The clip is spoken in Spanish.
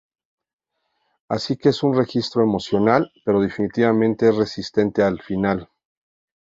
Así que es un registro emocional, pero definitivamente es resistente al final.